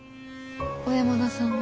小山田さんは？